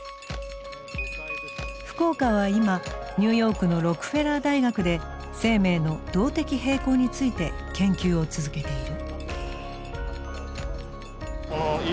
福岡は今ニューヨークのロックフェラー大学で生命の動的平衡について研究を続けている。